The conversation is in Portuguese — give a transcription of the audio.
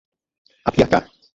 Apiacá